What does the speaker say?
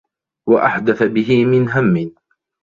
وَأَحْدَثَ بِهِ مِنْ هَمٍّ